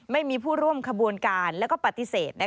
ไม่มีผู้ร่วมขบวนการแล้วก็ปฏิเสธ